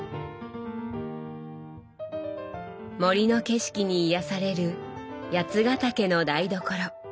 森の景色に癒やされる八ヶ岳の台所。